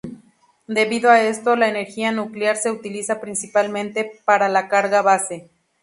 Debido a esto, la energía nuclear se utiliza principalmente para la carga base.